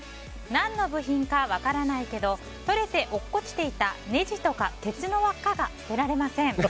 何の部品か分からないけどとれて落っこちていたねじとか鉄の輪っかが捨てられません。